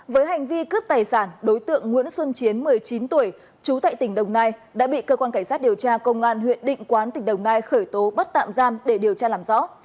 với hành vi cướp tài sản đối tượng nguyễn xuân chiến một mươi chín tuổi trú tại tỉnh đồng nai đã bị cơ quan cảnh sát điều tra công an huyện định quán tỉnh đồng nai khởi tố bắt tạm giam để điều tra làm rõ